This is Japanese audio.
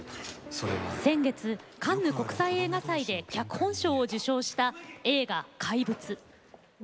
先月カンヌ国際映画祭で脚本賞を受賞した映画「怪物」。